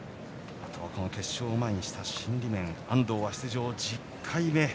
決勝を前にした心理面安藤は出場１０回目。